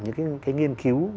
những cái nghiên cứu